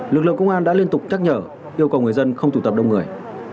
lực lượng công an đã liên tục nhắc nhở yêu cầu người dân không tụ tập đông người